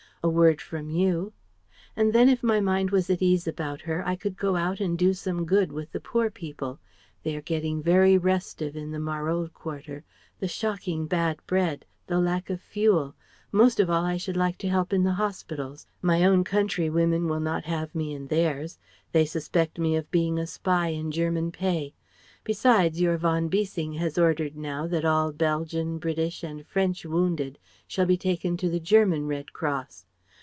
A word from you And then if my mind was at ease about her I could go out and do some good with the poor people. They are getting very restive in the Marolles quarter the shocking bad bread, the lack of fuel Most of all I should like to help in the hospitals. My own countrywomen will not have me in theirs. They suspect me of being a spy in German pay. Besides, your von Bissing has ordered now that all Belgian, British, and French wounded shall be taken to the German Red Cross.